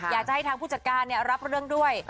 อยากจะให้ทางผู้จัดการรับเรื่องด้วย